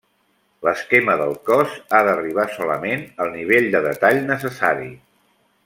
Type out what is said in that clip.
L'esquema del cos ha d'arribar solament al nivell de detall necessari.